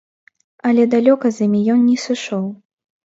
Але далёка з імі ён не сышоў.